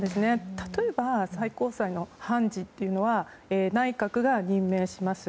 例えば最高裁の判事というのは内閣が任命します。